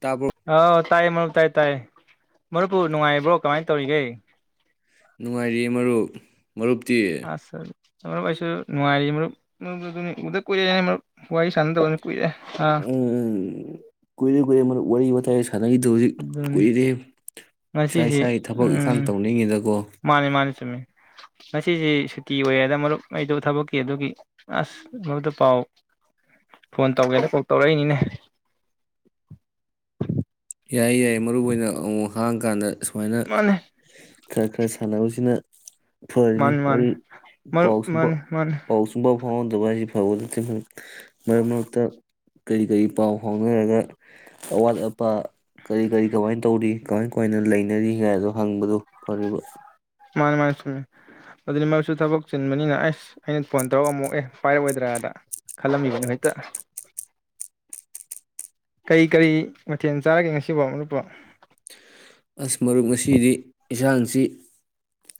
ꯇꯥꯕ꯭ꯔꯣ ꯑꯥꯎ ꯇꯥꯏ ꯃꯔꯨꯞ ꯇꯥꯏ ꯇꯥꯏ ꯃꯔꯨꯞꯄꯨ ꯅꯨꯡꯉꯥꯏꯕ꯭ꯔꯣ ꯀꯃꯥꯏꯅ ꯇꯧꯔꯤꯒꯦ ꯅꯨꯡꯉꯥꯏꯔꯤ ꯃꯔꯨꯞ ꯃꯔꯨꯞꯇꯤ ꯑꯁ ꯃꯔꯨꯞ ꯑꯩꯁꯨ ꯅꯨꯡꯉꯥꯏꯔꯤ ꯃꯔꯨꯞ ꯃꯔꯨꯞ ꯑꯗꯨꯅꯤ ꯎꯗ ꯀꯨꯏꯔꯦ ꯃꯔꯨꯞ ꯋꯥꯔꯤ ꯁꯥꯟꯅ ꯇꯧꯧꯕꯅꯤ ꯀꯨꯏꯔꯦ ꯑꯥ ꯎꯝ ꯎꯝ ꯀꯏꯦ ꯀꯨꯏ ꯃꯔꯨꯞ ꯋꯥ ꯁꯥꯟꯅꯒꯤꯗꯨ ꯍꯧꯖꯤꯛ ꯑꯗꯨꯅꯤ ꯀꯨꯏꯔꯦ ꯏꯁꯥ ꯉꯁꯤꯁꯤ ꯏꯁꯥꯒꯤ ꯊꯕꯛ ꯏꯪꯈꯥꯡ ꯎꯝ ꯇꯧꯅꯤꯡꯉꯤꯗꯀꯣ ꯃꯥꯅꯤ ꯃꯥꯅꯤ ꯆꯨꯝꯃꯤ ꯉꯁꯤꯁꯤ ꯁꯨꯇꯤ ꯑꯣꯏꯦꯗ ꯃꯔꯨꯞ ꯑꯩꯗꯣ ꯊꯕꯛꯀꯤ ꯑꯗꯨꯒꯤ ꯑꯁ ꯃꯔꯨꯠꯇ ꯄꯥꯎ ꯐꯣꯟ ꯇꯧꯒꯦꯗ ꯀꯥꯎ ꯇꯧꯔꯛꯏꯅꯤꯅꯦ ꯌꯥꯏ ꯌꯥꯏ ꯃꯔꯨ ꯑꯣꯏꯅ ꯑꯃꯨꯛ ꯍꯥꯡ ꯀꯥꯟꯗ ꯁꯨꯃꯥꯏꯅ ꯃꯥꯅꯦ ꯈꯔ ꯈꯔ ꯁꯥꯟꯅꯕꯁꯤꯅ ꯐꯔꯅꯤ ꯃꯥꯅꯤ ꯃꯥꯅꯤ ꯃꯔꯨꯄ ꯃꯔꯨꯞ ꯄꯥꯎ ꯁꯨꯝꯕ ꯃꯥꯅꯤ ꯃꯥꯅꯤ ꯄꯥꯎ ꯁꯨꯝ ꯄꯥꯎ ꯍꯣꯟꯗ ꯋꯥꯔꯤ ꯈꯔ ꯈ ꯂꯤ ꯃꯔꯛ ꯃꯔꯛꯇ ꯀꯔꯤ ꯀꯔꯤ ꯄꯥꯎ ꯐꯥꯎꯅꯔꯒ ꯑꯋꯥꯠ ꯑꯄꯥ ꯀꯔꯤ ꯀꯔꯤ ꯀꯃꯥꯏꯅ ꯇꯧꯔꯤ ꯀꯃꯥꯏ ꯀꯃꯥꯏꯅ ꯂꯩꯅꯔꯤꯒꯗꯣ ꯍꯪꯕꯗꯨ ꯐꯔꯤꯕ ꯃꯥꯅꯤ ꯃꯥꯅꯤ ꯁꯨꯝꯃꯦ ꯑꯗꯨꯗꯤ ꯃꯔꯗꯨꯁꯨ ꯊꯕꯛ ꯆꯤꯟꯕꯅꯤꯅ ꯑꯁ ꯑꯩꯅ ꯐꯣꯟ ꯇꯧꯔꯛꯕ꯭ꯔꯣ ꯑꯃꯨꯛ ꯑꯦ ꯄꯥꯏꯔꯛ ꯑꯣꯏꯗ꯭ꯔꯥꯗ ꯈꯜꯂꯝꯃꯤꯅꯦ ꯀꯔꯤ ꯀꯔꯤ ꯃꯊꯦꯜ ꯆꯥꯔꯒꯦ ꯉꯁꯤꯕꯨ ꯃꯔꯨꯞꯄꯨ ꯑꯁ ꯃꯔꯨꯞ ꯉꯁꯤꯗꯤ ꯏꯟꯁꯥꯡꯁꯤ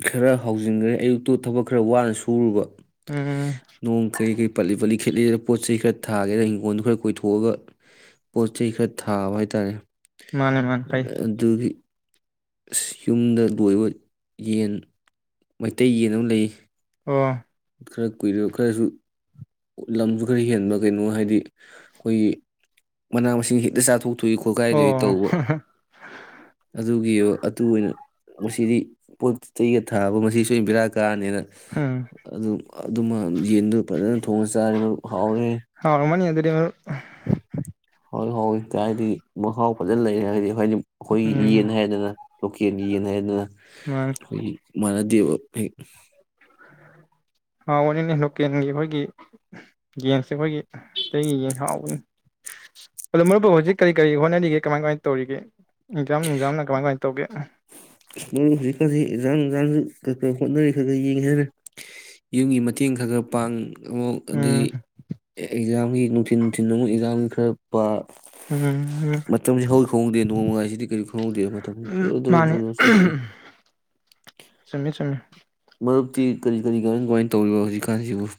ꯈꯔ ꯍꯥꯎꯖꯤꯟꯈ꯭ꯔꯦ ꯑꯌꯨꯛꯇꯨ ꯊꯕꯛ ꯈꯔ ꯋꯥꯅ ꯁꯨꯔꯨꯕ ꯎꯝ ꯅꯣꯡ ꯀꯩ ꯀꯩ ꯄꯠꯂꯤ ꯄꯠꯂꯤ ꯈꯦꯠꯂꯤꯗ ꯄꯣꯠ ꯆꯩ ꯈꯔ ꯊꯥꯒꯦꯅ ꯍꯤꯡꯒꯣꯟꯜꯗꯨ ꯈꯔ ꯀꯣꯏꯊꯣꯛꯑꯒ ꯄꯣꯠ ꯆꯩ ꯈꯔ ꯊꯥꯕ ꯍꯥꯏꯇꯥꯔꯦ꯫ ꯃꯥꯅꯦ ꯃꯥꯅꯦ ꯐꯩ ꯑꯗꯨꯒꯤ ꯑꯁ ꯌꯨꯝꯗ ꯂꯣꯏꯕ ꯌꯦꯟ ꯃꯩꯇꯩ ꯌꯦꯟ ꯑꯃ ꯂꯩ꯫ ꯍ ꯈꯔ ꯀꯨꯏꯔ ꯈꯔꯖꯨ ꯂꯝꯁꯨ ꯈꯔ ꯍꯦꯟꯕ ꯀꯩꯅꯣ ꯍꯥꯏꯗꯤ ꯑꯩꯈꯣꯏꯒꯤ ꯃꯅꯥ ꯃꯁꯤꯡ ꯍꯦꯛꯇ ꯆꯥꯊꯣꯛ ꯇꯨꯏ ꯈꯣꯠꯀꯥꯏꯗꯨꯏ ꯑꯣ ꯇꯧꯕ꯫ [inaudible] ꯑꯗꯨꯒꯤ ꯑꯗꯨ ꯑꯣꯏꯅ ꯃꯁꯤꯗꯤ ꯄꯣꯠ ꯆꯩꯒ ꯊꯥꯕ ꯃꯁꯤ ꯁꯣꯏ ꯕꯦꯔꯥ ꯀꯥꯔ ꯅꯦꯅ ꯎꯝ ꯑꯗꯨꯝ ꯑꯗꯨꯃ ꯌꯦꯟꯗꯣ ꯐꯖꯅ ꯊꯣꯡꯉ ꯆꯥꯔꯦ ꯃꯔꯨꯞ ꯍꯥꯎꯔꯦꯍꯦ꯫ ꯍꯥꯎꯔꯝꯃꯅꯤ ꯑꯗꯨꯗꯤ ꯃꯔꯨꯞ ꯍꯣꯏ ꯍꯥꯎꯋꯦ ꯇꯥꯎ ꯍꯥꯏꯗꯤ ꯃꯍꯥꯎ ꯐꯖꯅ ꯂꯩꯔꯦ ꯍꯥꯏꯗꯤ ꯑꯩꯈꯣꯏꯗꯤ ꯑꯈꯣꯏꯒꯤ ꯎꯝ ꯌꯦꯟ ꯍꯥꯏꯔꯦꯗꯅ꯫ ꯂꯣꯀꯦꯟꯒꯤ ꯌꯦꯟ ꯍꯥꯏꯔꯦꯗꯅ꯫ ꯃꯥꯅꯦ ꯈꯣꯏꯒꯤ ꯃꯥꯅꯗ ꯗꯕ ꯐꯩ ꯍꯥꯎꯕꯅꯤꯅꯦ ꯂꯣꯀꯦꯟꯒꯤ ꯑꯩꯈꯣꯏꯒꯤ ꯌꯦꯟꯁꯦ ꯑꯩꯈꯣꯏꯒꯤ ꯇꯩꯒꯤ ꯌꯦꯟ ꯍꯥꯎꯕꯅꯤ ꯑꯗꯣ ꯃꯔꯨꯞꯄꯨ ꯍꯧꯖꯤꯛ ꯀꯔꯤ ꯀꯔꯤ ꯍꯣꯠꯅꯔꯤꯒꯦ ꯀꯃꯥꯏ ꯀꯃꯥꯏ ꯇꯧꯔꯤꯒꯦ? ꯏꯛꯖꯥꯝ ꯅꯨꯡꯖꯤꯝꯅ ꯀꯃꯥꯏ ꯀꯃꯥꯏ ꯇꯧꯒꯦ? ꯍꯧꯖꯤꯛꯀꯥꯟꯁꯤ ꯏꯟꯖꯥꯡ ꯅꯨꯡꯖꯥꯡ ꯀꯩ ꯀꯩ ꯍꯣꯠꯅꯔꯤ ꯈꯔ ꯈꯔ ꯌꯦꯡꯉꯦ ꯍꯥꯏꯅ ꯌꯨꯝꯒꯤ ꯃꯇꯦꯡ ꯈꯔ ꯈꯔ ꯄꯥꯡ ꯑꯃꯛ ꯑꯗꯒꯤ ꯎꯝ ꯑꯦꯛꯖꯥꯝ ꯒꯤ ꯅꯨꯡꯊꯤꯟ ꯅꯨꯡꯊꯤꯟ ꯑꯃꯛ ꯏꯟꯖꯥꯡ ꯈꯔ ꯄ ꯎꯝ ꯎꯝ ꯃꯇꯝꯖꯦ ꯍꯧꯒꯤ ꯈꯪꯍꯧꯗꯦ ꯅꯣꯡꯃꯒꯥꯏꯖꯤꯗꯤ ꯀꯔꯤꯝ ꯈꯪꯍꯧꯗꯦ ꯃꯇꯝ ꯗꯣꯔꯣ ꯗꯣꯔꯣ ꯗꯣꯔꯣ ꯗꯣꯔꯣ ꯆꯠ ꯁꯃꯦ ꯁꯃꯦ ꯃꯔꯨꯞꯇꯤ ꯀꯔꯤ ꯀꯔꯤ ꯀꯃꯥꯏ ꯀꯃꯥꯏꯅ ꯇꯧꯔꯤꯕ ꯍꯧꯖꯤꯛꯀꯥꯟꯖꯤꯕꯨ?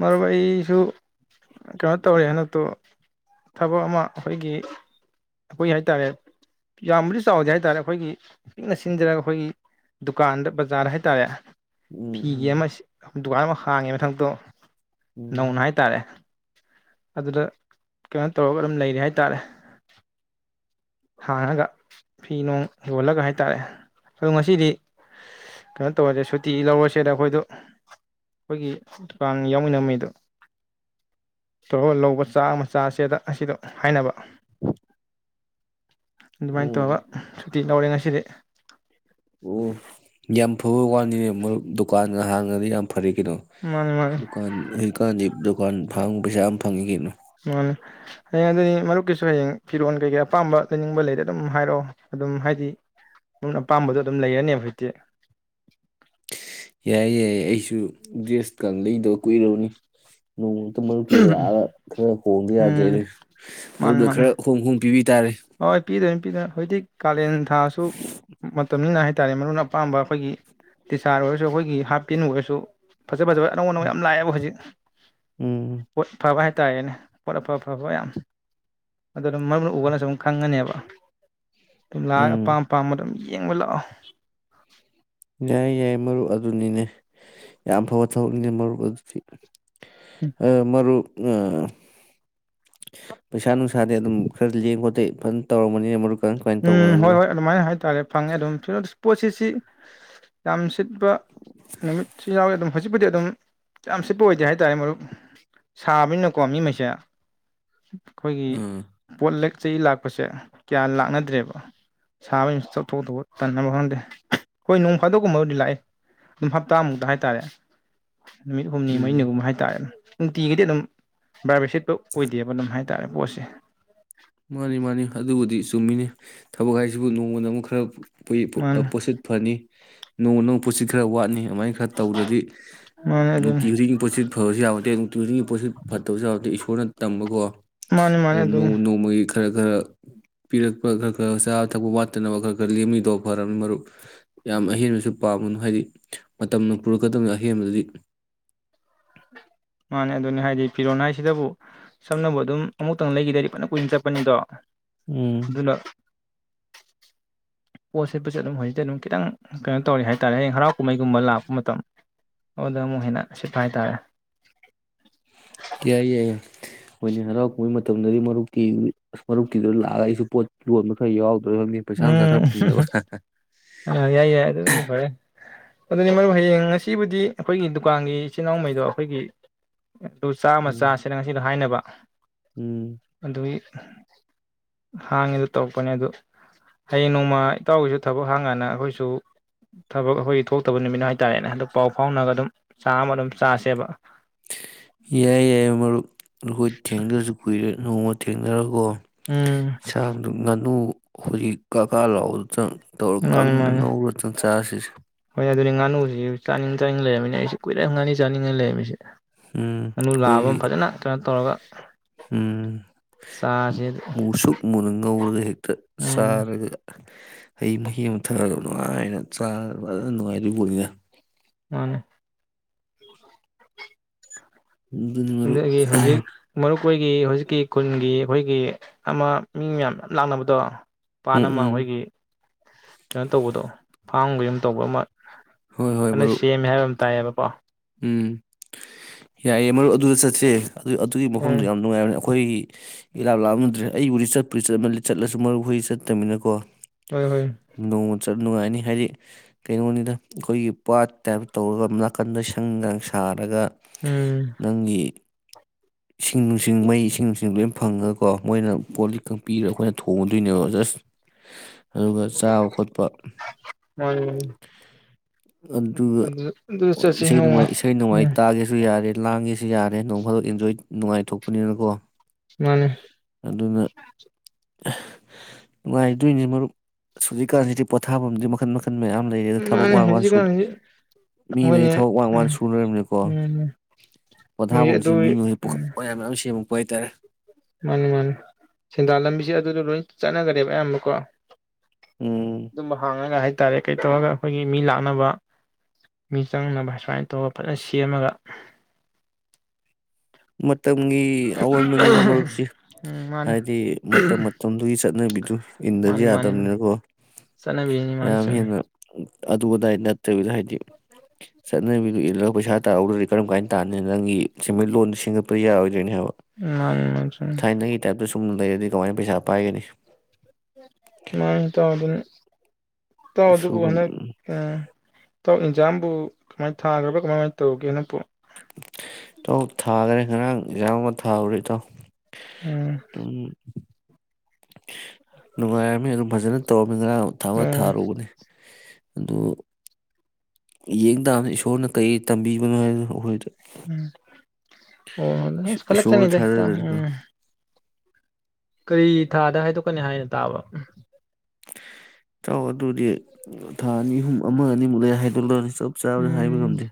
ꯃꯔꯨꯞ ꯑꯩꯁꯨ ꯀꯩꯅꯣ ꯇꯧꯔꯦ ꯍꯟꯗꯛꯇꯣ ꯊꯕꯛ ꯑꯃ ꯑꯩꯈꯣꯏꯒꯤ ꯑꯩꯈꯣꯏꯒꯤ ꯍꯥꯏ ꯇꯥꯔꯦ ꯌꯥꯝꯕꯨꯗꯤ ꯆꯥꯎꯗꯦ ꯍꯥꯏ ꯇꯥꯔꯦ ꯑꯩꯈꯣꯏꯒꯤ ꯄꯤꯛꯅ ꯁꯤꯟꯖꯔꯒ ꯑꯩꯈꯣꯏꯒꯤ ꯗꯨꯀꯥꯟꯗ ꯕꯖꯥꯔꯗ ꯍꯥꯏ ꯇꯥꯔꯦ ꯎꯝ ꯎꯝ ꯗꯨꯀꯥꯟ ꯑꯃ ꯍꯥꯡꯉꯦ ꯃꯊꯛꯇꯣ ꯎꯝ ꯅꯧꯅ ꯍꯥꯏꯇꯥꯔꯦ ꯑꯗꯨꯗ ꯀꯩꯅꯣ ꯇꯧꯔꯒ ꯑꯗꯨꯝ ꯂꯩꯔꯤ ꯍꯥꯏ ꯇꯥꯔꯦ ꯍꯥꯡꯉꯒ ꯐꯤ ꯅꯨꯡ ꯌꯣꯜꯂꯒ ꯍꯥꯏ ꯇꯥꯔꯦ ꯑꯗꯣ ꯉꯁꯤꯗꯤ ꯀꯩꯅꯣ ꯇꯧꯔꯁꯦ ꯁꯨꯇꯤ ꯂꯧꯔꯁꯦꯗ ꯑꯩꯈꯣꯏꯗ ꯑꯩꯈꯣꯏꯒꯤ ꯗꯨꯀꯥꯟ ꯌꯥꯎꯃꯤꯟꯅ ꯃꯤꯗꯨ ꯇꯔꯣ ꯂꯧꯕ ꯆꯥꯛ ꯃꯆꯥꯁꯦꯗ ꯑꯁꯤꯗꯣ ꯍꯥꯏꯅꯕ ꯎꯝ ꯑꯗꯨꯃꯥꯏꯅ ꯇꯧꯔꯒ ꯑꯣ ꯁꯨꯇꯤ ꯂꯧꯔꯦ ꯉꯁꯤ ꯁꯤꯗꯤ ꯑꯣ ꯌꯥꯝ ꯐꯕ ꯋꯥꯅꯤꯅꯦ ꯃꯔꯨꯞ ꯗꯨꯀꯥꯟ ꯍꯥꯡꯉꯗꯤ ꯌꯥꯝ ꯐꯔꯦ ꯀꯩꯅꯣ ꯃꯥꯅꯤ ꯃꯥꯅꯤ ꯗꯨꯀꯥꯟ ꯍꯧꯖꯤꯛꯀꯥꯟꯖꯦ ꯗꯨꯀꯥꯟ ꯐꯥꯡꯕ ꯄꯩꯁꯥ ꯑꯃ ꯐꯪꯉꯤ ꯀꯩꯅꯣ ꯎ ꯍꯌꯦꯡ ꯑꯗꯨꯗꯤ ꯃꯔꯨꯞꯀꯤꯁꯨ ꯍꯌꯦꯡ ꯐꯤꯔꯣꯟꯜ ꯀꯩꯀꯩ ꯑꯄꯥꯝꯕ ꯂꯩꯅꯤꯡꯕ ꯂꯩꯔ ꯑꯗꯨꯝ ꯍꯥꯏꯔꯛꯑꯣ ꯑꯗꯨꯝ ꯍꯥꯏꯗꯤ ꯃ ꯑꯄꯥꯝꯕꯗꯣ ꯑꯗꯨꯝ ꯂꯩꯔꯅꯦꯕ ꯍꯧꯖꯤꯛꯇꯤ ꯌꯥꯏ ꯌꯥꯏꯌꯦ ꯑꯩꯁꯨ ꯗ꯭ꯔꯦꯁꯀ ꯂꯩꯗꯕ ꯀꯨꯏꯔꯕꯅꯤ ꯅꯣꯡꯃꯨꯛꯇ ꯃꯔꯨꯞꯛꯇꯨꯗ ꯂꯥꯛꯑꯒ ꯈꯔ ꯍꯣꯡꯕ ꯌꯥꯗꯦꯅꯦ ꯎꯝ ꯃꯥꯅꯤ ꯃꯔꯨꯞꯛꯇ ꯃꯥꯅꯤ ꯈꯔ ꯍꯣꯡ ꯍꯣꯡ ꯄꯤꯕꯤ ꯇꯥꯔꯦ ꯍꯣꯏ ꯄꯤꯗꯅꯤ ꯍꯥꯄꯤꯗ ꯍꯧꯖꯤꯛ ꯀꯥꯂꯦꯟ ꯊꯥꯁꯨ ꯃꯇꯝꯅꯤꯅ ꯍꯥꯏꯇꯥꯥꯔꯦ ꯃꯔꯨ ꯑꯣꯏꯅ ꯑꯄꯥꯝꯕ ꯑꯩꯈꯣꯏꯒꯤ ꯇꯤꯁꯥꯔ ꯑꯣꯏꯔꯁꯨ ꯑꯩꯈꯣꯏꯒꯤ ꯍꯥꯞꯄꯤꯟ ꯑꯣꯏꯔꯁꯨ ꯐꯖ ꯐꯖꯕ ꯑꯅꯧ ꯑꯅꯧꯕ ꯌꯥꯝ ꯂꯥꯛꯑꯦꯕ ꯍꯧꯖꯤꯛ ꯎꯝ ꯐꯕ ꯍꯥꯏ ꯍꯥꯏ ꯇꯔꯦꯅꯦ ꯄꯣꯠ ꯑꯐ ꯑꯐꯕ ꯌꯥꯝ ꯑꯗꯨꯅ ꯃꯔꯨꯞ ꯎꯕꯅ ꯁꯨꯝ ꯈꯪꯉꯅꯦꯕ ꯂꯥꯛ ꯎꯝ ꯑꯄꯥꯝ ꯄꯄꯥꯝꯕ ꯌꯦꯡꯕ ꯂꯥꯛꯑꯣ ꯌꯥꯏ ꯌꯥꯏ ꯃꯔꯨꯞ ꯑꯗꯨꯅꯤꯅꯦ ꯌꯥꯝ ꯐꯕ ꯊꯕꯛꯅꯤꯅꯦ ꯃꯔꯨꯞ ꯑꯗꯨꯗꯤ ꯑ ꯃꯔꯨꯞ [unintelligible] ꯄꯩꯁꯥ ꯅꯨꯡꯁꯥꯗꯤ ꯑꯗꯨꯝ ꯈꯔꯗꯤ ꯌꯦꯡꯕꯗꯤ ꯐꯟ ꯇꯧꯔꯝꯃꯅꯤꯅ ꯃꯔꯨꯛ ꯎꯝ ꯍꯣꯏ ꯍꯣꯏ ꯑꯗꯨꯃꯥꯏꯅ ꯍꯥꯏꯇꯥꯔꯦ ꯐꯪꯉꯦ ꯑꯗꯨꯝ ꯄꯣꯠꯁꯤ ꯁꯤ ꯌꯥꯝ ꯁꯤꯠꯄ ꯅꯨꯃꯤꯠꯁꯨ ꯌꯥꯏ ꯑꯗꯨꯝ ꯍꯧꯖꯤꯛꯄꯨꯗꯤ ꯑꯗꯨꯝ ꯌꯥꯝ ꯁꯤꯠꯄ ꯑꯣꯏꯗꯦ ꯍꯥꯏꯇꯥꯔꯦ ꯃꯔꯨꯞ ꯁꯥꯕꯅꯤꯅꯀꯣ ꯃꯤꯉꯩꯁꯦ ꯑꯩꯈꯣꯏꯒꯤ ꯎꯝ ꯄꯣꯠꯂꯦꯛ ꯆꯩ ꯂꯥꯛꯄꯁꯦ ꯀꯌꯥ ꯂꯥꯛꯅ ꯅꯠꯇ꯭ꯔꯦꯕ ꯁꯥꯕ ꯆꯊꯣꯛ ꯇꯕ ꯈꯪꯗꯦ ꯍꯣꯏ ꯅꯣꯡ ꯐꯥꯗꯣꯛꯀꯨꯝꯕꯕꯨꯗꯤ ꯂꯥꯛꯏ ꯑꯗꯨꯝ ꯍꯞꯇꯥꯃꯨꯛꯇ ꯍꯥꯏꯇꯥꯔꯦ ꯅꯨꯃꯤꯠ ꯍꯨꯝꯅꯤ ꯎꯝ ꯃꯔꯤꯅꯤꯒꯨꯝꯕ ꯍꯥꯏꯇꯥꯔꯦ ꯅꯨꯡꯇꯤꯒꯤꯗꯤ ꯑꯗꯨꯝ ꯕꯥꯕꯦꯠꯁꯤꯠ ꯄ ꯑꯣꯏꯗꯦꯕ ꯅꯝꯍꯥꯏ ꯍꯥꯏꯇꯥꯔꯦ ꯄꯣꯠꯁꯦ ꯃꯥꯅꯤ ꯃꯥꯅꯤ ꯑꯗꯨꯕꯨꯗꯤ ꯆꯨꯝꯃꯤꯅꯤ ꯊꯕꯛ ꯍꯥꯏꯁꯤꯕꯨ ꯅꯣꯡꯃꯗ ꯑꯃꯨꯛ ꯈꯔ ꯃꯥꯅꯤ ꯄꯣꯠꯁꯤꯠ ꯐꯅꯤ ꯅꯣꯡꯃ ꯅꯣꯡ ꯄꯨꯠꯁꯤ ꯈꯔ ꯋꯥꯠꯅꯤ ꯑꯗꯨꯃꯥꯏꯅ ꯈꯔ ꯇꯧꯗ꯭ꯔꯗꯤ ꯃꯥꯅꯦ ꯑꯗꯨꯅꯤ ꯅꯨꯡꯇꯤ ꯈꯨꯗꯤꯡꯒꯤ ꯄꯣꯠꯁꯤꯠ ꯐꯕꯁꯨ ꯌꯥꯕ ꯅꯠꯇꯦ ꯇꯨꯔꯤꯁꯟꯒꯤ ꯄꯣꯠꯁꯤ ꯐꯠꯇꯕꯁꯨ ꯌꯥꯎꯔꯗꯗꯤ ꯏꯁꯣꯔꯅ ꯇꯝꯕꯀꯣ ꯃꯥꯅꯤ ꯃꯥꯅꯤ ꯑꯗꯨꯝ ꯑꯗꯨꯅꯤ ꯅꯣꯡꯃ ꯅꯣꯡꯃꯒꯤ ꯈꯔ ꯈꯔ ꯄꯤꯔꯛꯄ ꯈꯔ ꯈꯔ ꯆꯥꯕ ꯊꯛꯄ ꯋꯥꯠꯇꯅꯕ ꯈꯔ ꯈꯔ ꯂꯦꯝꯃꯤꯗꯣ ꯐꯅꯤ ꯃꯔꯨꯞ ꯌꯥꯝ ꯑꯍꯦꯟꯕꯁꯨ ꯄꯥꯝꯝꯕꯅꯨ ꯍꯥꯏꯗꯤ ꯃꯇꯝꯅ ꯄꯨꯔꯛꯀꯗꯕꯅꯤ ꯑꯍꯦꯟꯕꯗꯗꯤ ꯃꯥꯅꯦ ꯑꯗꯨꯅꯦ ꯍꯥꯏꯗꯤ ꯐꯤꯔꯣꯟ ꯍꯥꯏꯁꯤꯗꯕꯨ ꯁꯝꯅꯕꯨ ꯑꯗꯨꯝ ꯑꯃꯨꯛꯇꯪ ꯂꯩꯈꯤꯗꯗꯤ ꯄꯨꯟꯅ ꯀꯨꯏꯅ ꯆꯠꯄꯅꯤꯗꯣ ꯎꯝ ꯑꯗꯨꯅ ꯄꯣꯠ ꯁꯤꯠꯄꯁꯨ ꯑꯗꯨꯝ ꯍꯧꯖꯤꯛꯇꯤ ꯑꯗꯨꯝ ꯈꯤꯇꯪ ꯀꯩꯅꯣ ꯇꯧꯔꯤ ꯍꯥꯏ ꯇꯔꯦ ꯍꯌꯦꯡ ꯍꯔꯥꯎ ꯀꯨꯝꯍꯩꯒꯨꯝꯕ ꯂꯥꯛꯄ ꯃꯇꯝ ꯑꯗꯨꯗ ꯑꯃꯨꯛ ꯍꯦꯟꯅ ꯁꯤꯠꯄ ꯍꯥꯏ ꯇꯥꯔꯦ ꯌꯥꯏ ꯌꯥꯏ ꯍꯣꯏꯅꯦ ꯍꯔꯥꯎ ꯀꯨꯍꯩ ꯃꯇꯝꯗꯗꯤ ꯃꯔꯨꯞꯀꯤ ꯃꯔꯨꯞꯀꯤꯗꯨ ꯂꯥꯛꯑꯒ ꯑꯩꯁꯨ ꯄꯣꯠ ꯌꯣꯟꯕ ꯈꯔ ꯌꯥꯎꯕ ꯎꯝ [unintelligible] ꯌꯥꯏ ꯌꯥꯏ ꯑꯗꯨꯗꯤ ꯐꯔꯦ ꯑꯗꯨꯅꯤ ꯃꯔꯨ ꯍꯌꯦꯡ ꯉꯁꯤꯕꯨꯗꯤ ꯑꯩꯈꯣꯏꯒꯤ ꯗꯨꯀꯥꯟꯒꯤ ꯏꯆꯤꯜ ꯏꯅꯥꯎꯃꯩꯗꯣ ꯑꯩꯈꯣꯏꯒꯤ ꯑꯗꯨ ꯆꯥꯝꯃ ꯎꯝ ꯆꯁꯤꯅ ꯉꯁꯤꯗꯣ ꯍꯥꯏꯅꯕ [inaudible] ꯎꯝ ꯍꯥꯡꯉꯤ ꯑꯗꯨ ꯇꯧꯔꯛꯄꯅꯦ ꯑꯗꯨ ꯍꯌꯦꯡ ꯅꯣꯡꯃ ꯏꯇꯥꯎꯒꯤꯁꯨ ꯊꯕꯛ ꯍꯥꯡꯉꯥꯟꯅ ꯑꯩꯈꯣꯏꯁꯨ ꯊꯕꯛ ꯑꯩꯈꯣꯏꯒꯤ ꯊꯣꯛꯇꯕ ꯅꯨꯃꯤꯠꯅ ꯍꯥꯏꯇꯥꯔꯦꯅꯦ ꯍꯟꯗꯛ ꯄꯥꯎ ꯐꯥꯎꯅꯒ ꯑꯗꯨꯝ ꯆꯥꯛ ꯑꯃ ꯑꯗꯨꯝ ꯆꯥꯁꯦꯕ ꯌꯥꯏ ꯌꯥꯏ ꯃꯔꯨꯞ ꯑꯩꯈꯣꯏ ꯊꯦꯡꯗ꯭ꯔꯁꯨ ꯀꯨꯏꯔꯦ ꯅꯣꯡꯃ ꯊꯦꯡꯅꯔꯀꯣ ꯎꯝ ꯌꯦꯟꯁꯥꯡꯗꯨ ꯉꯥꯅꯨ ꯍꯧꯖꯤꯛ ꯀꯀꯥ ꯂꯥꯛꯑꯣꯗꯣ ꯇꯧ ꯃꯥꯅꯤ ꯀꯪꯅ ꯉꯧꯔ ꯆꯪ ꯆꯥꯁꯤꯁꯦ ꯑ ꯉꯥꯅꯨꯁꯤ ꯆꯥꯅꯤꯡ ꯆꯥꯅꯤꯡ ꯂꯩꯔꯝꯃꯤꯅꯦ ꯑꯩꯁꯨ ꯀꯨꯏꯔꯒ ꯉꯥꯅꯤ ꯆꯥꯅꯤꯡꯉꯥꯏ ꯂꯩꯔꯝꯃꯤꯁꯦ ꯎꯝ ꯉꯥꯅꯨ ꯂꯥꯕ ꯑꯩꯈꯣꯏꯒꯤ ꯑꯃ ꯐꯖꯅ ꯀꯩꯅꯣ ꯇꯧꯔꯒ ꯎ ꯆꯥꯁꯦ ꯃꯨꯁꯨꯛ ꯃꯨꯅ ꯉꯧꯔꯒ ꯍꯦꯛꯇ ꯎꯝ ꯆꯥꯔꯒ ꯍꯩ ꯃꯍꯤ ꯑꯃ ꯊꯛꯑꯒ ꯅꯨꯡꯉꯥꯏꯅ ꯆꯥ ꯐꯖꯅ ꯅꯨꯡꯉꯥꯏꯗꯣꯏꯄꯣꯅꯤꯅ ꯃꯥꯅꯦ ꯑꯗꯨꯅꯤ ꯃꯔꯨꯞ ꯑꯗꯒꯤ ꯍꯧꯖꯤꯛ ꯃꯔꯨꯞ ꯈꯣꯏꯒꯤ ꯍꯧꯖꯤꯛꯀꯤ ꯈꯨꯟꯒꯤ ꯑꯩꯈꯣꯏꯒꯤ ꯑꯃ ꯃꯤ ꯃꯌꯥꯝ ꯂꯥꯛꯅꯕꯗꯣ ꯄꯥꯠ ꯎꯝ ꯑꯃ ꯎꯝ ꯑꯩꯈꯣꯏꯒꯤ ꯀꯩꯅꯣ ꯇꯧꯕꯗꯣ ꯐꯥꯝꯒꯌꯥꯝ ꯇꯧꯕ ꯑꯃ ꯍꯣꯏ ꯍꯣꯏ ꯑ ꯃꯔꯨꯞ ꯁꯦꯃꯦ ꯍꯥꯏ ꯇꯥꯏꯌꯦꯕꯀꯣ ꯎꯝ ꯌꯥꯏꯌꯦꯦ ꯃꯔꯨꯞ ꯑꯗꯨꯗ ꯆꯠꯁꯦ ꯑꯗꯨ ꯑꯗꯨꯒꯤ ꯎꯝ ꯃꯐꯝꯗꯨꯣ ꯌꯥꯝ ꯅꯨꯡꯉꯥꯏꯕꯅꯤ ꯑꯩꯈꯣꯏ ꯏꯂꯥꯞ ꯂꯥꯞꯅꯗ꯭ꯔꯦ ꯑꯩꯕꯨꯗꯤ ꯆꯠꯄꯨꯗꯨ ꯆꯠꯂꯁꯨ ꯃꯔꯨ ꯍꯣꯏ ꯆꯠꯇꯃꯤꯅꯀꯣ ꯍꯣꯏ ꯍꯣꯏ ꯅꯣꯡꯃ ꯆꯠ ꯅꯨꯡꯉꯥꯏꯅꯤ ꯍꯥꯏꯗꯤ ꯀꯩꯅꯣꯅꯤꯗ ꯑꯩꯈꯣꯏꯒꯤ ꯄꯥꯠ ꯇꯥꯏꯞ ꯇꯧꯔꯒ ꯅꯥꯀꯟꯗ ꯁꯪꯗꯪ ꯁꯥꯔꯒ ꯎꯝ ꯅꯪꯒꯤ ꯏꯁꯤꯡ ꯅꯨꯡꯁꯤꯡ ꯃꯩ ꯏꯁꯤꯡ ꯅꯨꯡꯁꯤꯡ ꯂꯣꯏ ꯐꯪꯉꯒꯀꯣ ꯃꯣꯏꯅ ꯄꯣꯂꯤꯛꯀ ꯄꯤꯔꯒ ꯑꯩꯈꯣꯏꯅ ꯊꯣꯡꯉꯨꯗꯣꯏꯅꯦꯕ ꯖꯁ ꯑꯗꯨꯒ ꯆꯥꯕ ꯈꯣꯠꯄ ꯃꯥꯅꯤ ꯑꯗꯨꯒ ꯑꯗꯨ ꯑꯗꯨ ꯆꯠꯁꯤ ꯏꯁꯩ ꯅꯣꯡꯃ ꯅꯃꯥꯏ ꯏꯁꯩ ꯅꯣꯡꯉꯥꯏ ꯎꯝ ꯇꯥꯒꯦꯁꯨ ꯌꯥꯔꯦ ꯇꯥꯡꯉꯁꯤ ꯌꯥꯔꯦ ꯅꯣꯡ ꯐꯥꯗꯛ ꯑꯦꯟꯖꯣꯏ ꯅꯨꯡꯉꯥꯏꯊꯣꯛꯄꯅꯤꯅꯀꯣ ꯃꯥꯅꯦ ꯅꯨꯡꯉꯥꯏꯗꯣꯏꯅꯦ ꯃꯔꯨꯞ ꯍꯧꯨꯖꯤꯛꯀꯥꯟꯁꯤꯗꯤ ꯄꯣꯊꯥꯐꯝꯗꯤ ꯃꯈꯟ ꯃꯈꯜ ꯃꯌꯥꯝ ꯂꯩꯔꯦ ꯑ ꯊꯕꯛ ꯃꯥꯅꯤ ꯋꯥ ꯋꯥ ꯁꯨ ꯍꯧꯖꯤꯛꯀꯥꯟꯁꯤ ꯃꯤ ꯃꯩ ꯃꯣꯏꯅꯦ ꯊꯕꯛ ꯋꯥꯡ ꯋꯥꯟ ꯎꯝ ꯁꯨꯅꯔꯕꯅꯤꯀꯣ ꯎꯝ ꯃꯣꯏꯁꯦ ꯄꯣꯊꯥꯐꯝꯁꯤ ꯑꯗꯨ ꯃꯤ ꯃꯈꯩ ꯄꯨꯈ ꯎꯝ ꯃꯌꯥꯝ ꯃꯌꯥꯝ ꯁꯦꯝꯃ ꯑꯣꯏ ꯇꯥꯔꯦ ꯃꯥꯅꯤ ꯃꯥꯅꯤ ꯁꯦꯟꯗꯥꯜ ꯂꯝꯕꯤꯁꯦ ꯑꯗꯨꯗꯣ ꯂꯣꯏ ꯆꯠꯅꯈꯔꯦꯕ ꯑꯌꯥꯝꯕꯀꯣ ꯎꯝ ꯑꯗꯨꯝꯕ ꯍꯥꯡꯉꯒ ꯍꯥꯏꯥꯏ ꯍꯥꯏ ꯇꯥꯔꯦ ꯀꯩ ꯇꯧꯔꯒ ꯑꯩꯈꯣꯏꯒꯤ ꯃꯤ ꯂꯥꯛꯅꯕ ꯃꯤ ꯆꯪꯅꯕ ꯁꯨꯃꯥꯏꯅ ꯇꯧꯔ ꯐꯖꯅ ꯁꯦꯝꯃꯒ ꯃ ꯃꯇꯝꯒꯤ ꯑꯑꯣꯟꯕꯅꯤꯅ ꯃꯔꯨꯞꯁꯤ ꯎꯝ ꯃꯥꯅꯤ ꯍꯥꯏꯗꯤ ꯃꯇꯝ ꯃꯇꯝꯗꯨꯒꯤ ꯆꯠꯅꯕꯤ ꯏꯟꯗꯁꯨ ꯃꯥꯅꯤ ꯃꯥꯅꯤ ꯌꯥꯗꯕꯅꯤꯅꯀꯣ ꯆꯠꯅꯕꯤꯅꯤ ꯃꯥꯅ ꯌꯥꯝ ꯆꯨꯝꯃꯤ ꯍꯦꯟꯅ ꯑꯗꯨ ꯑꯗꯥꯏ ꯅꯠꯇꯕꯤꯗ ꯍꯥꯏꯗꯤ ꯆꯠꯅꯕꯤꯗꯨ ꯏꯜꯂꯒ ꯄꯩꯁꯥ ꯇꯥꯔꯧꯗ꯭ꯔꯗꯤ ꯀꯔꯝ ꯀꯥꯏꯅ ꯇꯥꯅꯤ ꯅꯪꯒꯤ ꯁꯦꯟꯃꯤꯠꯂꯣꯟꯁꯤ ꯁꯤꯡꯒꯄꯔꯤꯎ ꯑꯣꯏꯖꯅꯤ ꯍꯥꯏꯕ ꯃꯥ ꯃꯖ ꯆꯨꯝꯅ ꯂꯩꯔꯗꯤ ꯀꯃꯥꯏꯅ ꯄꯩꯁꯥ ꯄꯥꯏꯒꯅꯤ ꯃꯥ ꯇ ꯑꯗꯨ ꯑꯗꯨꯅ ꯇ ꯑꯗꯨꯕꯨ ꯁꯨꯕ ꯍꯅ ꯑ ꯑꯦꯟꯖꯥꯝꯕꯨ ꯀꯃꯥꯏꯅ ꯊꯥꯈ꯭ꯔꯕꯥ ꯀꯃꯥꯏꯅ ꯇꯧꯒꯦꯅ ꯇꯧ ꯊꯥꯈꯔꯦ ꯉꯔꯥꯡ ꯌꯥꯝꯥꯡ ꯑꯃ ꯊꯥꯔꯔꯤ ꯇꯧ ꯎꯝ ꯅꯨꯡꯉꯥꯏ ꯑꯗꯨꯝ ꯐꯖꯅ ꯇꯧ ꯃ ꯉ꯭ꯔꯥꯡ ꯑꯃꯨ ꯊꯥ ꯑꯃ ꯎꯝ ꯊꯥꯔꯨꯕꯅꯦ ꯑꯗꯣ ꯌꯦꯡ ꯇꯕ ꯏꯁꯣꯔꯅ ꯀꯔꯤ ꯇꯝꯕꯤꯕꯅꯣ ꯍꯥꯏꯕꯗ ꯑꯩꯈꯣꯏꯗ ꯎꯝ ꯑꯣ ꯏꯁꯣꯔ ꯀꯂꯁꯟ ꯏꯗꯇ ꯊꯥꯖꯗ꯭ꯔꯗꯤꯀꯣ ꯎꯝ ꯀꯔꯤ ꯊꯥꯗ ꯍꯥꯏꯗꯣꯛꯀꯅꯤ ꯍꯥꯏꯅ ꯇꯥꯕ ꯇ ꯑꯗꯨꯗꯤ ꯊꯥ ꯑꯅꯤ ꯑꯍꯨꯝ ꯑꯃ ꯑꯅꯤꯃꯨꯛ ꯂꯩ ꯍꯥꯏꯗꯣꯛꯂꯔꯅꯤ ꯆꯞ ꯆꯥꯕꯗ ꯍꯥꯏꯕ ꯎꯝ ꯉꯝꯗꯦ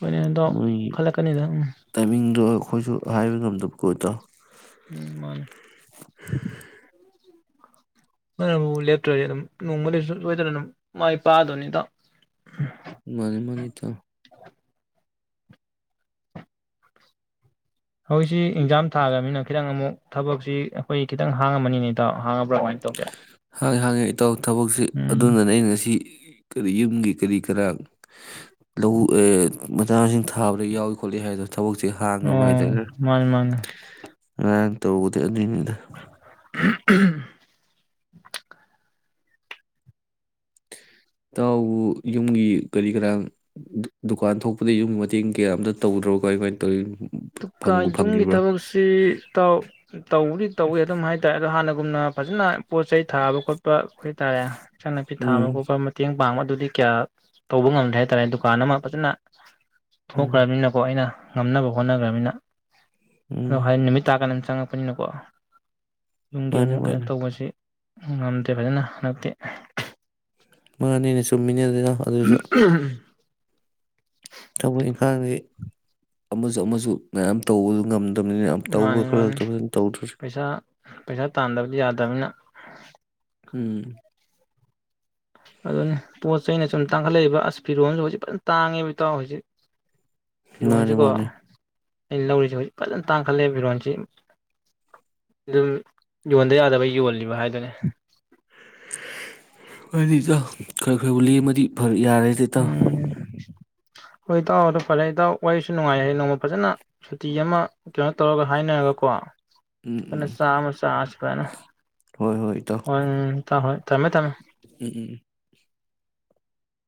ꯍꯣꯏꯅꯦ ꯏꯇꯥꯎ ꯃꯣꯏ ꯈꯜꯂꯛꯀꯅꯤꯗ ꯎꯝ ꯇꯥꯏꯃꯤꯡꯗꯣ ꯑꯩꯈꯣꯏꯁꯨ ꯍꯥꯏꯕ ꯉꯝꯗꯕꯀꯣꯠꯇ ꯎꯝ ꯃꯥꯅꯦ ꯑꯗꯨꯕꯨ ꯂꯦꯞꯇ꯭ꯔꯗꯤ ꯑꯗꯨꯝ ꯅꯣꯡꯃꯗꯁꯨ ꯁꯣꯏꯗꯅ ꯑꯗꯨꯝ ꯃꯥꯏ ꯄꯥꯗꯕꯅꯤꯗ ꯃꯥꯅꯤ ꯃꯥꯅꯤꯇ ꯍꯧꯖꯤꯛꯁꯤ ꯑꯦꯛꯖꯥꯝ ꯊꯥꯈ꯭ꯔꯕꯅꯤꯅ ꯈꯤꯇꯪ ꯑꯃꯨꯛ ꯊꯕꯛꯁꯤ ꯑꯩꯈꯣꯏ ꯈꯤꯇꯪ ꯍꯥꯡꯉꯝꯃꯅꯤꯅꯦꯇꯥꯎ ꯍꯥꯡꯉꯕ꯭ꯔꯥ ꯀꯃꯥꯏꯅ ꯇꯧꯒꯦ ꯍꯪ ꯍꯪꯉꯦ ꯏꯇꯧ ꯊꯕꯛꯁꯤ ꯎꯝ ꯑꯗꯨꯅꯅꯦ ꯑꯩꯅ ꯉꯁꯤ ꯀꯔꯤ ꯌꯨꯝꯒꯤ ꯀꯔꯤ ꯀꯔꯥ ꯃꯇꯆꯥꯁꯤꯡ ꯊꯥꯕꯗ ꯌꯥꯎꯏ ꯈꯣꯠꯂꯤ ꯍꯥꯏꯗ ꯊꯕꯛꯁꯤꯦ ꯍꯥꯡꯉꯕ ꯍꯥꯏꯗ ꯑꯣ ꯃꯥꯅꯤ ꯃꯥꯅꯤ ꯈꯦꯥꯡ ꯇꯧꯕꯗ ꯅꯤꯗ ꯎꯝ ꯏꯥꯎ ꯌꯨꯝꯒꯤ ꯀꯔꯤ ꯀꯔ ꯗꯨꯀꯥꯟ ꯊꯣꯛꯄꯗ ꯌꯨꯝꯒꯤ ꯃꯇꯦꯡ ꯀꯌꯥ ꯑꯃꯇ ꯇꯧꯗ꯭ꯔꯣ ꯀꯥꯏ ꯀꯃꯥꯏꯅ ꯇꯧꯔꯤꯅꯣ ꯑꯗꯨꯒꯗꯨꯀ ꯌꯨꯝꯒꯤ ꯊꯕꯛꯁꯤ ꯇꯧꯔꯤ ꯇꯧꯋꯤ ꯑꯗꯨꯝ ꯍꯥꯏꯇꯥꯔꯦ ꯑꯗꯣ ꯍꯥꯟꯅ ꯎꯝꯅ ꯐꯖꯅ ꯄꯣꯠ ꯆꯩ ꯊꯥꯕꯈꯣꯠꯄ ꯍꯣꯏ ꯇꯥꯗ ꯏꯆꯥ ꯅꯨꯄꯤ ꯊꯥꯕ ꯎꯝ ꯈꯣꯠꯄ ꯃꯇꯦꯡ ꯄꯥꯡꯕ ꯑꯗꯨꯗꯤ ꯀꯌꯥ ꯇꯧꯕ ꯉꯝꯗꯦ ꯍꯥꯏꯇꯥꯔꯦ ꯗꯨꯀꯥꯟ ꯑꯃ ꯐꯖꯅ ꯎꯝ ꯊꯣꯛꯈ꯭ꯔꯕꯅꯤꯅꯀꯣ ꯑꯩꯅ ꯉꯝꯅꯕ ꯍꯣꯠꯅꯒꯔ꯭ꯕꯅꯤꯅꯥ ꯑꯗꯨ ꯍꯥꯏ ꯎꯝ ꯅꯨꯃꯤꯠꯇꯥꯀꯥꯟꯗ ꯆꯪꯉꯛꯄꯅꯤꯅꯥꯀꯣ ꯌꯨꯝꯒꯤ ꯃꯥꯅꯦ ꯑꯃꯨꯛ ꯀꯩꯅꯣ ꯃꯥꯅꯦ ꯇꯧꯕꯁꯤ ꯉꯝꯗꯦ ꯐꯖꯅ ꯍꯟꯗꯛꯇꯤ ꯃꯥꯅꯤꯅꯦ ꯆꯨꯝꯃꯤꯅꯤ ꯑꯗꯨꯅ ꯑꯗꯨꯁꯨ ꯊꯕꯛ ꯏꯪꯈꯥꯡꯗꯤ ꯑꯃꯁꯨ ꯑꯃꯁꯨ ꯃꯌꯥꯝ ꯇꯧꯕ ꯉꯝ ꯑꯗꯨꯅꯤꯅꯦ ꯌꯥꯝ ꯇꯧꯕ ꯃꯥꯅꯤ ꯃꯥꯅꯤ ꯈꯜꯂꯛꯇꯕꯁꯨ ꯇꯧꯗꯔ꯭ꯁꯨ ꯄꯩꯁꯥ ꯄꯩꯁꯥ ꯇꯥꯟꯗꯕꯗꯤ ꯌꯥꯗꯕꯅꯤꯅ ꯎꯝ ꯑꯗꯨꯅꯤ ꯄꯣꯠ ꯆꯩꯩꯅ ꯁꯨꯝ ꯇꯥꯡꯈꯠꯂꯛꯏꯕ ꯑꯁ ꯐꯤꯔꯣꯝꯁꯨ ꯍꯧꯖꯤꯛ ꯐꯖꯅ ꯇꯥꯡꯉꯦꯕ ꯏꯇꯥꯎ ꯍꯧꯖꯤꯛ ꯐꯤꯔꫭꯜ ꯃꯥꯅꯦ ꯁꯦꯀꫭ ꯃꯥꯅꯦ ꯑꯩꯅ ꯂꯧꯔꯤꯁꯦ ꯍꯧꯖꯤꯛ ꯐꯖꯅ ꯇꯥꯡꯈꯠꯂꯦ ꯐꯤꯔꯣꯟꯁꯤ ꯑꯗꯨꯝ ꯌꯣꯟꯗ ꯌꯥꯗꯕꯩ ꯌꯣꯜꯂꯤꯕ ꯍꯥꯏꯗꯨꯅꯦ ꯍꯣꯏꯗ ꯏꯇꯥꯎ ꯈꯔ ꯈꯔꯕꯨ ꯂꯦꯝꯃꯗꯤ ꯐꯔ ꯌꯔꯦꯗꯥ ꯏꯇꯥꯑꯣ ꯎꯝ ꯍꯣꯏ ꯏꯇꯥꯑꯣ ꯑꯗꯨ ꯐꯔꯦ ꯢꯇꯥꯑꯣ ꯋꯥꯔꯤꯍꯁꯨ ꯅꯨꯡꯉꯥꯏ ꯍꯥꯏ ꯅꯣꯡꯃ ꯐꯖꯅ ꯁꯨꯇꯤ ꯑꯃ ꯀꯩꯅꯣ ꯇꯧꯔꯒ ꯍꯥꯏꯅꯔꯒꯀꯣ ꯎꯝ ꯎꯝ ꯀꯩꯅꫭ ꯆꯥ ꯑꯃ ꯆꯁꯤ ꯀꯗꯥꯏꯅꫭ ꯍꯣꯏ ꯍꯣꯏ ꯏꯇꯥꯎ ꯇꯥꯍꯥꯏ ꯊꯝꯃꯦ ꯊꯝꯃꯦ ꯎꯝ ꯎꯝ